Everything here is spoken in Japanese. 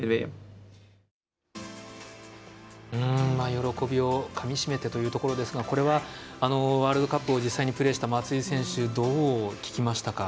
喜びをかみしめてというところですがこれはワールドカップを実際にプレーした松井選手どう聞きましたか？